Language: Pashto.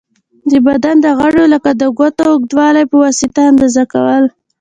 د بدن د غړیو لکه د ګوتو اوږوالی په واسطه اندازه کوله.